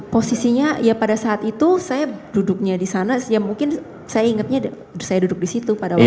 posisinya ya pada saat itu saya duduknya disana ya mungkin saya ingatnya saya duduk disitu pada waktu itu